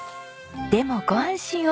でもご安心を。